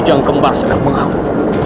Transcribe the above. ujang kembar sedang menghapus